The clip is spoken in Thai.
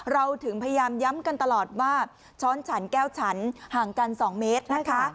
เราถึงพยายามย้ำกันตลอดว่าช้อนฉันแก้วฉันห่างกัน๒เมตรนะคะ